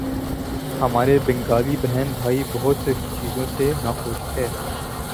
ہمارے بنگالی بہن بھائی بہت سی چیزوں سے ناخوش تھے۔